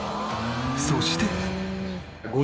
そして。